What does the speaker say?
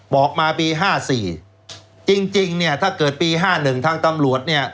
บอกมาปีห้าสี่จริงจริงเนี้ยถ้าเกิดปีห้าหนึ่งทางตำรวจเนี้ย